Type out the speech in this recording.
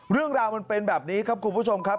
เรื่องราวมันเป็นแบบนี้ครับคุณผู้ชมครับ